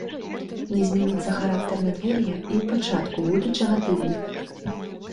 Не зменіцца характар надвор'я і ў пачатку будучага тыдня.